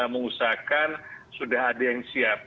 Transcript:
mengusahakan sudah ada yang siap